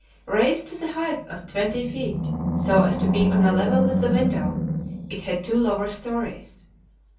Raised to the height of twenty feet, so as to be on a level with the window, it had two lower stories.